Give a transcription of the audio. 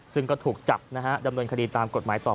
ซึ่งก็ถูกจับนะฮะดำเนินคดีตามกฎหมายต่อ